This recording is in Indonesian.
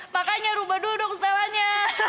makanya rubah dulu dong stylenya